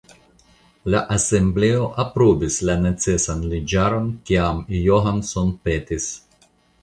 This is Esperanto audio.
La Asembleo aprobis la necesan leĝaron kiam Johnson petis.